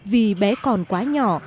vì bé còn quá nhỏ